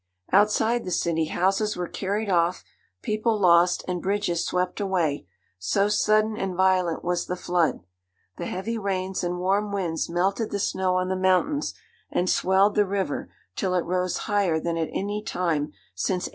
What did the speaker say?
Outside the city, houses were carried off, people lost, and bridges swept away, so sudden and violent was the flood. The heavy rains and warm winds melted the snow on the mountains, and swelled the river till it rose higher than at any time since 1805.